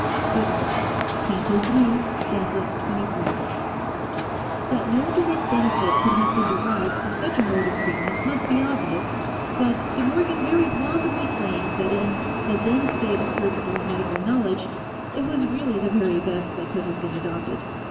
1 That no direct benefit could have been derived from such a mode of treatment must be obvious, but De Morgan very plausibly claims that in the then state of surgical and medical knowledge, it was really the very best that could have been adopted.